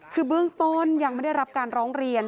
คือเบื้องต้นยังไม่ได้รับการร้องเรียน